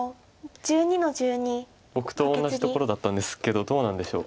僕と同じところだったんですけどどうなんでしょう。